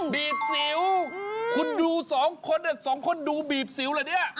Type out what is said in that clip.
บีบสิวคุณดูสองคนเนี่ยสองคนดูบีบสิวเหรอเนี่ย